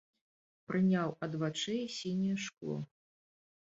Прыняў ад вачэй сіняе шкло.